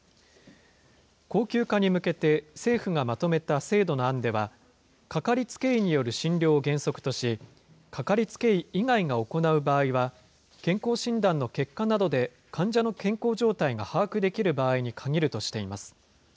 恒久化に向けて政府がまとめた制度の案では、掛かりつけ医による診療を原則とし、掛かりつけ医以外が行う場合は、健康診断の結果などで患者の健康状態が把握できる場合に限るとしています。